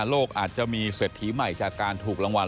อาจจะมีเศรษฐีใหม่จากการถูกรางวัล